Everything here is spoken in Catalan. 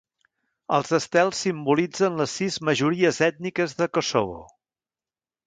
Els estels simbolitzen les sis majories ètniques de Kosovo.